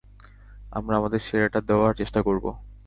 আমরা আমাদের সেরাটা দেওয়ার চেষ্টা করবো।